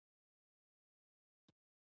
طبقاتي سیستم په مقابل کې مبارزه وه.